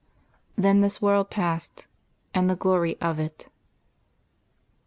Then this world passed, and the glory of it.